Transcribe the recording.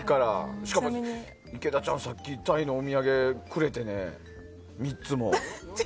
しかも池田ちゃんさっきタイのお土産くれてねえ？